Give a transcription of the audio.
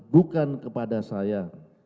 bukan kepada saya